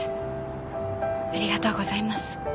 ありがとうございます。